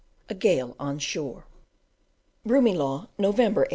a gale on shore. Broomielaw, November 1866.